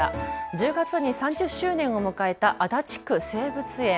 １０月に３０周年を迎えた足立区生物園。